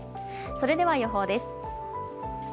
それでは予報です。